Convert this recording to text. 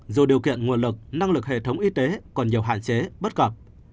dù điều kiện nguồn lực năng lực hệ thống y tế còn nhiều hạn chế bất cập